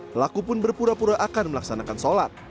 pelaku pun berpura pura akan melaksanakan sholat